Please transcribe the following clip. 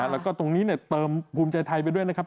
แล้วก็ตรงนี้เติมภูมิใจไทยไปด้วยนะครับ